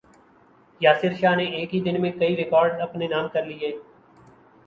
یاسر شاہ نے ایک ہی دن میں کئی ریکارڈز اپنے نام کر لیے